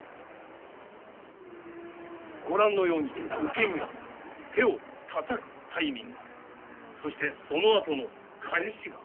ご覧のように受け身は手をたたくタイミングそしてそのあとの返しが。